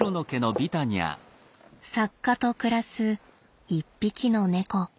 作家と暮らす一匹の猫。